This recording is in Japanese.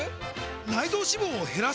内臓脂肪を減らす！？